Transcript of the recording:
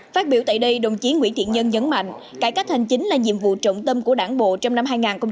phát biểu tại đây đồng chí nguyễn thiện nhân nhấn mạnh cải cách hành chính là nhiệm vụ trọng tâm của đảng bộ trong năm hai nghìn hai mươi